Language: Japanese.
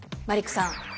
マリックさん